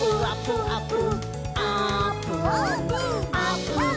「あぷんあぷん」